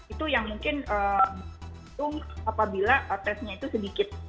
itu yang mungkin apabila tesnya itu sedikit